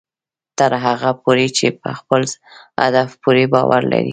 تر هغه پورې چې په خپل هدف پوره باور لرئ